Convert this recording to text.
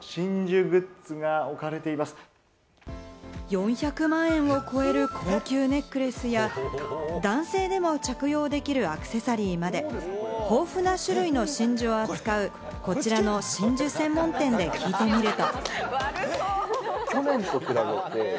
４００万円を超える高級ネックレスや男性でも着用できるアクセサリーまで、豊富な種類の真珠を扱うこちらの真珠専門店で聞いてみると。